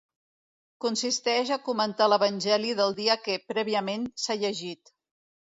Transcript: Consisteix a comentar l'Evangeli del dia que, prèviament, s'ha llegit.